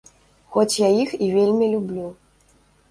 Хоць я іх і вельмі люблю.